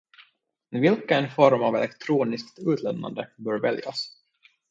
Vilken form av elektroniskt utlämnande bör väljas?